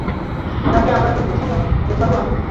তোকে আবার ঝুলাবো আমি!